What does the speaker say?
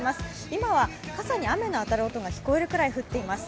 今は傘に雨の当たる音が聞こえるぐらい降っています。